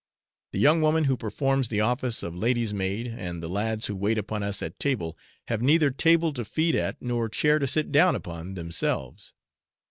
The young woman who performs the office of lady's maid, and the lads who wait upon us at table, have neither table to feed at nor chair to sit down upon themselves.